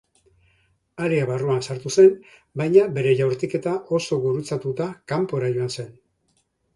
Area barruan sartu zen, baina bere jaurtiketa oso gurutzatuta kanpora joan zen.